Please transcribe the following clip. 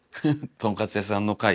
「とんかつ屋さん」の回。